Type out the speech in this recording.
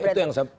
itu yang satu